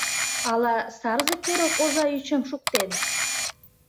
Ала Сарзе курык оза ӱчым шуктен?